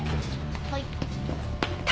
はい。